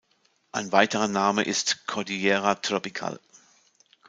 Ein weiterer Name ist "Cordillera Tropical".